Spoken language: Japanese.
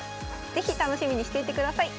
是非楽しみにしていてください。